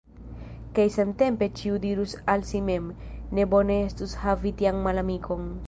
Kaj samtempe ĉiu dirus al si mem: ne bone estus havi tian malamikon!